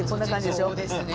そうですね。